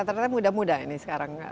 ternyata mudah mudah ini sekarang